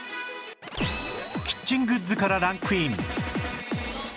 キッチングッズからランクイン